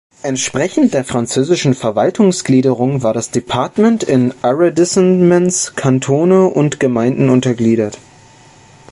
Entsprechend der französischen Verwaltungsgliederung war das Departement in Arrondissements, Kantone und Gemeinden untergliedert.